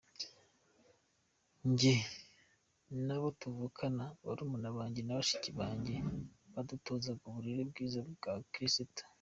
Njye nabo tuvukana barumuna banjye na bashiki banjye badutozaga uburere bwiza bwa Gikristo.